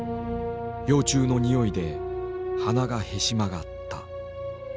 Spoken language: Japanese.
幼虫のにおいで鼻がへし曲がった。